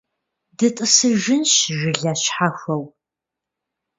ДытӀысыжынщ жылэ щхьэхуэу.